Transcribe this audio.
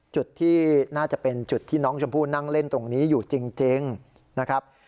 จุดที่น่าจะเป็นจุดที่น้องชมพู่นั่งเล่นตรงนี้อยู่จริงนะครับ